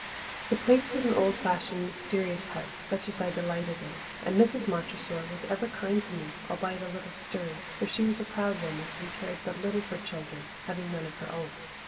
The Place was an old fashioned, mysterious house, such as I delighted in, and Mrs. Montressor was ever kind to me, albeit a little stern, for she was a proud woman and cared but little for children, having none of her own.